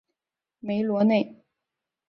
梅罗内。